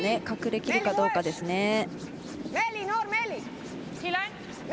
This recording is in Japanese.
隠れきるかどうかですね。